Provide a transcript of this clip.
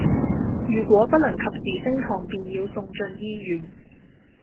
如果不能及時升糖便要送進醫院